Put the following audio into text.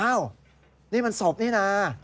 อ้าวนี่มันศพนี่นะ